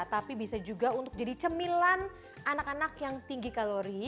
tapi bisa juga untuk jadi cemilan anak anak yang tinggi kalorinya